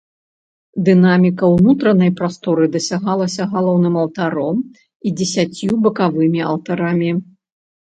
Дынаміка ўнутранай прасторы дасягалася галоўным алтаром і дзесяццю бакавымі алтарамі.